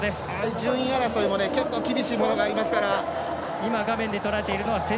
順位争いも結構、厳しいものがありますね。